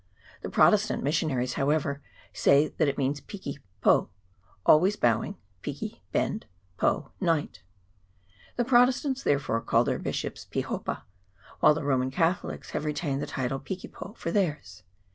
The Protestant missionaries however, say that it means piki po always bowing VOL. i. 2 n 370 ROUTE RESUMED [PART II. (piki, bend po, night). The Protestants, there fore, call their bishop pihopa, while the Roman Catholics have retained the title pikipo for theirs.